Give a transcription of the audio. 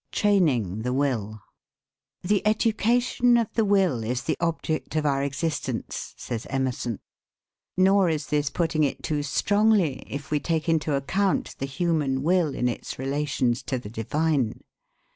TRAINING THE WILL. "The education of the will is the object of our existence," says Emerson. Nor is this putting it too strongly, if we take into account the human will in its relations to the divine.